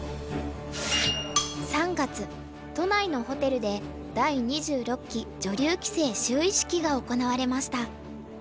３月都内のホテルで第２６期女流棋聖就位式が行われました。